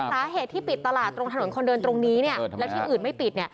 สาเหตุที่ปิดตลาดตรงถนนคนเดินตรงนี้แล้วที่อื่นไม่ปิด